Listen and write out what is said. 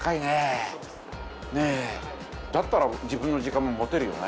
だったら自分の時間も持てるよね？